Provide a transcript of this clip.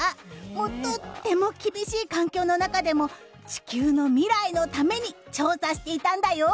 とても厳しい環境の中でも地球の未来のために調査していたんだよ。